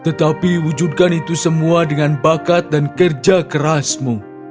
tetapi wujudkan itu semua dengan bakat dan kerja kerasmu